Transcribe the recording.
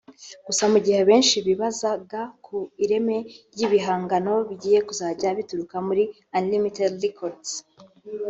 Gusa mu gihe benshi bibazaga ku ireme ry’ibihangano bigiye kuzajya bituruka muri Unlimited records